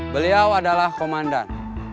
beliau adalah komandan